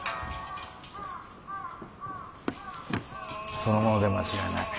その者で間違いない。